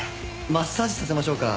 マッサージさせましょうか？